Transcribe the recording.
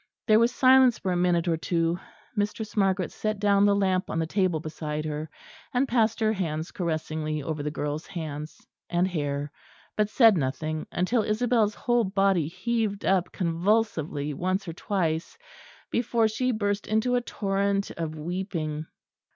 There was silence for a minute or two. Mistress Margaret set down the lamp on the table beside her, and passed her hands caressingly over the girl's hands and hair; but said nothing, until Isabel's whole body heaved up convulsively once or twice, before she burst into a torrent of weeping.